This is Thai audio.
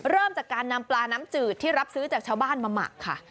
เริ่มจากการนำปลาน้ำจืดที่รับซื้อจากชาวบ้านมาหมักค่ะ